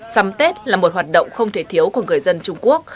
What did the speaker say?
sắm tết là một hoạt động không thể thiếu của người dân trung quốc